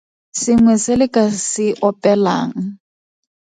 Sengwe se le ka se opelang.